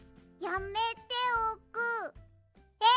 やめておく？え？